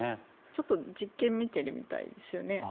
ちょっと実験を見ているみたいですね。